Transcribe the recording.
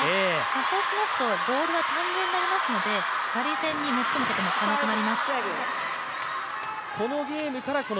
そうしますと、ボールは単純になりますので、ラリー戦に持ち込むことができます。